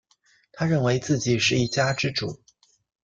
他认为自己是一家之主